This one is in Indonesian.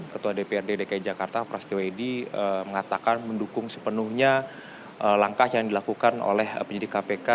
ketua dprd dki jakarta prasetyo edy mengatakan mendukung sepenuhnya langkah yang dilakukan oleh penyidik kpk